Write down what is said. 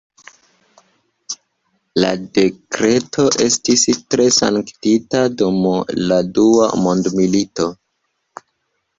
La dekreto estis tre sanktigita dum la Dua Mondmilito.